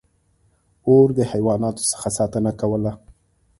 • اور د حیواناتو څخه ساتنه کوله.